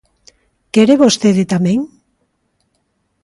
¿Quere vostede tamén?